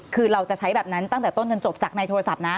คือเราจะใช้แบบนั้นตั้งแต่ต้นจนจบจากในโทรศัพท์นะ